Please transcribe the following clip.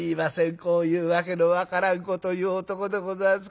こういう訳の分からんこと言う男でございますからね。